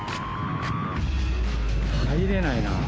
入れないな。